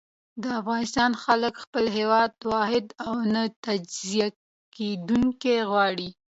د افغانستان خلک خپل هېواد واحد او نه تجزيه کېدونکی غواړي.